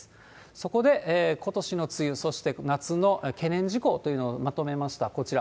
そこでことしの梅雨、そして夏の懸念事項というのをまとめました、こちら。